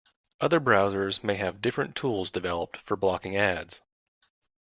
Other browsers may have different tools developed for blocking ads.